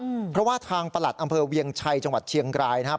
อืมเพราะว่าทางประหลัดอำเภอเวียงชัยจังหวัดเชียงรายนะครับ